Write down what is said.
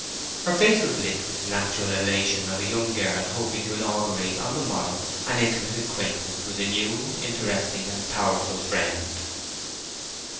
Her face was lit with the natural elation of a young girl hoping to inaugurate on the morrow an intimate acquaintance with a new, interesting, and powerful friend.